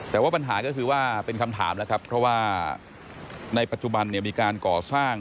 แต่ว่าปัญหาก็คือว่าเป็นคำถามแล้วครับเพราะว่าในปัจจุบันเนี่ยมีการก่อสร้าง